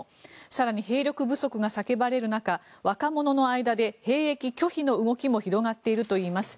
更に兵力不足が叫ばれる中若者の間で兵役拒否の動きも広がっているといいます。